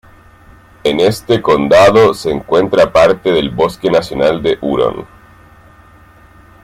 En este condado se encuentra parte del bosque nacional de "Huron".